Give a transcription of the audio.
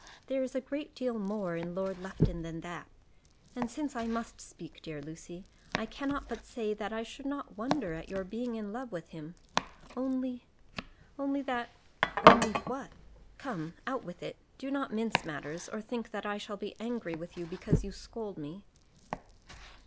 There is a great deal more in Lord Lufton than that; and since I must speak, dear Lucy, I cannot but say that I should not wonder at your being in love with him, only only that " "Only what? Come, out with it. Do not mince matters, or think that I shall be angry with you because you scold me."